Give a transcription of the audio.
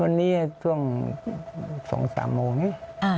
วันนี้ช่วง๒๓โมงนี้